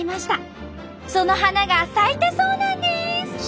その花が咲いたそうなんです！